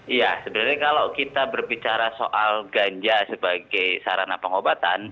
iya sebenarnya kalau kita berbicara soal ganja sebagai sarana pengobatan